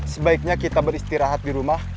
sebaiknya kita beristirahat di rumah